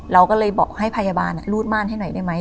เราก็เลยบอกให้พยาบาลรูดม่านให้หน่อยได้ไหม